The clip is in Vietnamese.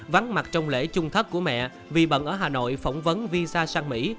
vắng mặt trong lễ chung thất của mẹ vì bận ở hà nội phỏng vấn visa sang mỹ